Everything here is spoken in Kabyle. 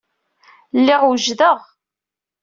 Lliɣ wejdeɣ.